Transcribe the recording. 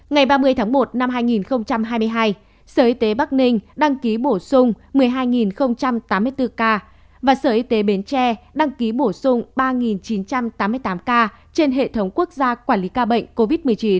ngày ba mươi tháng một năm hai nghìn hai mươi hai sở y tế bắc ninh đăng ký bổ sung một mươi hai tám mươi bốn ca và sở y tế bến tre đăng ký bổ sung ba chín trăm tám mươi tám ca trên hệ thống quốc gia quản lý ca bệnh covid một mươi chín